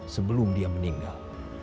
sebelum dia meninggal